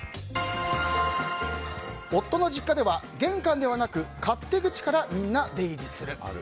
夫の実家では玄関ではなく勝手口から、みんな出入りする。